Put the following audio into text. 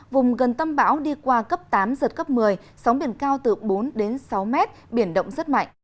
vùng gần tâm bão đi qua cấp tám giật cấp một mươi sóng biển cao từ bốn đến sáu mét biển động rất mạnh